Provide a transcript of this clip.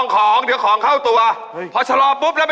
เบรกครับ